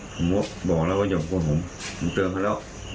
ผมก็บอกแล้วว่าอย่ามาพูดผมผมเตือนเขาแล้ว